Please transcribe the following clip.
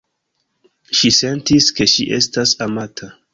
Ŝi sentis, ke ŝi estas amata.